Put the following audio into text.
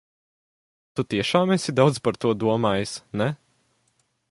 Tu tiešām esi daudz par to domājis, ne?